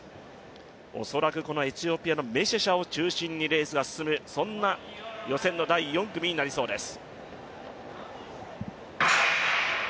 恐らくこのエチオピアのメシェシャを中心にレースが進む、そんな予選の第４組になりそうです